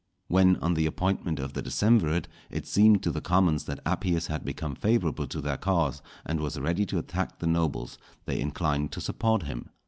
When, on the appointment of the decemvirate, it seemed to the commons that Appius had become favourable to their cause, and was ready to attack the nobles, they inclined to support him.